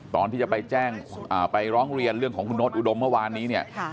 ตอนที่จะไปแจ้งไปร้องเรียนเรื่องของคุณโน๊ตอุดมเมื่อวานนี้เนี่ย